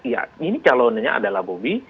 ya ini calonnya adalah bobi